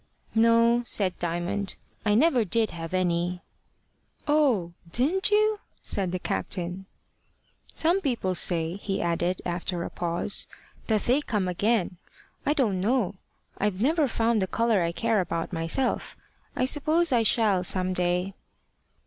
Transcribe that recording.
"No," said Diamond. "I never did have any." "Oh! didn't you?" said the captain. "Some people say," he added, after a pause, "that they come again. I don't know. I've never found the colour I care about myself. I suppose I shall some day."